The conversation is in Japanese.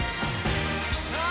さあ